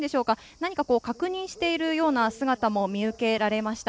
何か確認しているような姿も見受けられました。